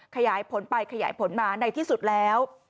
ขยายผลไปขยายผลมาในที่สุดแล้ว